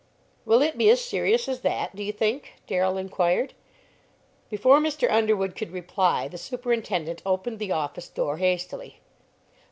"Will it be as serious as that, do you think?" Darrell inquired. Before Mr. Underwood could reply the superintendent opened the office door hastily.